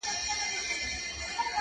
o لويي يوازي له خداى سره ښايي٫